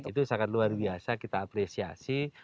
itu sangat luar biasa kita apresiasi